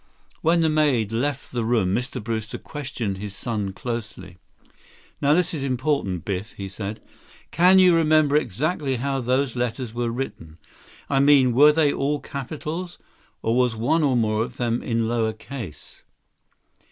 When the maid left the room, Mr. Brewster questioned his son closely. "Now this is important, Biff," he said. "Can you remember exactly how those letters were written? I mean, were they all capitals? Or was one or more of them in lower case?"